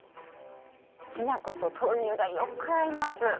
きなこと豆乳がよく合います。